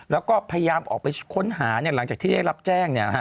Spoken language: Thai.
แล้วก็พยายามออกไปค้นหาหลังจากที่ได้รับแจ้ง